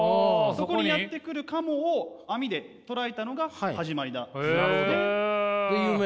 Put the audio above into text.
そこにやって来る鴨を網で捕らえたのが始まりだそうなんですね。